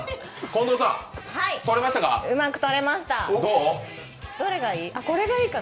近藤さん撮れましたか？